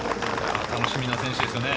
楽しみな選手ですよね。